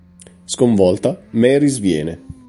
Sconvolta, Mary sviene.